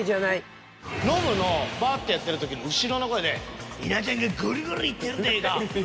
ノブのバァッてやってる時の後ろの声で「稲ちゃんがゴリゴリ行ってるで！」